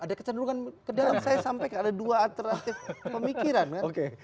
ada kecenderungan ke dalam saya sampai ke ada dua alternatif pemikiran kan